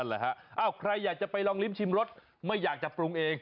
นั่นแหละฮะอ้าวใครอยากจะไปลองลิ้มชิมรสไม่อยากจะปรุงเอง